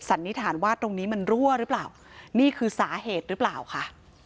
สันนิษฐานว่าตรงนี้มันรั่วหรือเปล่านี่คือสาเหตุหรือเปล่าค่ะ